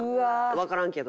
わからんけど。